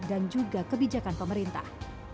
dan juga kebijakan pemerintah